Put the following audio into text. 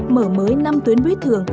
mở mới năm tuyến buýt thường